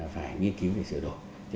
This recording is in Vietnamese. phải nghiên cứu để sửa đổi